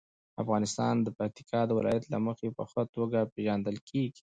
افغانستان د پکتیکا د ولایت له مخې په ښه توګه پېژندل کېږي.